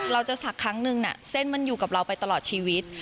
เราจะสักครั้งหนึ่งน่ะเส้นมันอยู่กับเราไปตลอดชีวิต